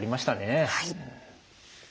はい。